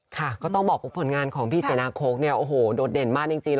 ค่ะก็ต้องบอกว่าผลงานของพี่เศรษฐนโคกโดดเด่นมากจริง